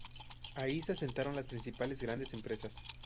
Ahí se asentaron las primeras grandes empresas.